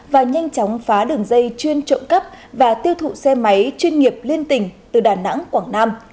và nhanh chóng phá đường dây chuyên trộm cắp và tiêu thụ xe máy chuyên nghiệp liên tỉnh từ đà nẵng quảng nam